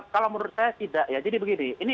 kalau menurut saya tidak ya jadi begini